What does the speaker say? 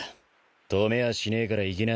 止めやしねえから行きな。